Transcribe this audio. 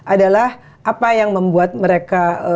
adalah apa yang membuat mereka